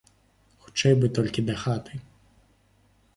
Хутчэй бы толькі дахаты.